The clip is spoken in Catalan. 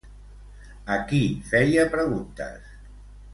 A qui feia preguntes?